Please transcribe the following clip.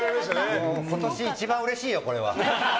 今年一番うれしいよ、これは。